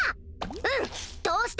うんどうしてもだ！